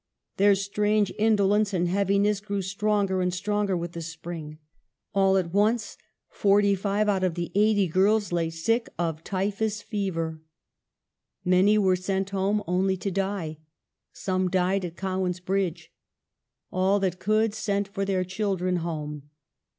Their strange indo lence and heaviness grew stronger and stronger with the spring. All at once forty five out of the eighty girls lay sick of typhus fever. Many were sent home only to die, some died at Cowan's Bridge. All that could, sent for their children home.